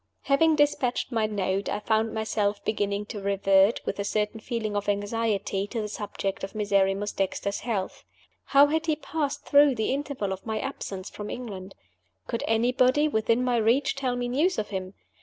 Having dispatched my note, I found myself beginning to revert, with a certain feeling of anxiety, to the subject of Miserrimus Dexter's health. How had he passed through the interval of my absence from England? Could anybody, within my reach, tell me news of him?